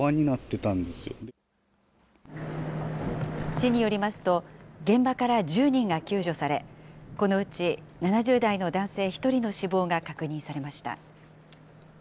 市によりますと、現場から１０人が救助され、このうち７０代の男性１人の死亡が確認されました。